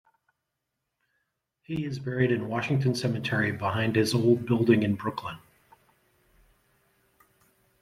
He is buried in Washington Cemetery behind his old building in Brooklyn.